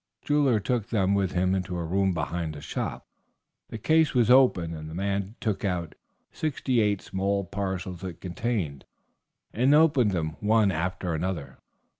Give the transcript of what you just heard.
The jeweler took them with him into a room behind the shop. The case was opened, and the man took out sixty eight small parcels it contained, and opened them one after the other.